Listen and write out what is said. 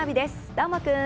どーもくん。